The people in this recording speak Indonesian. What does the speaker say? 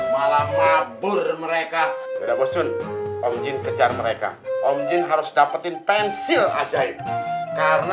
malam labur mereka sudah bosun om jin kejar mereka om jin harus dapetin pensil ajaib karena